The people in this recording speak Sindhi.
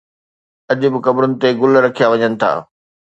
اڄ به قبرن تي گل رکيا وڃن ٿا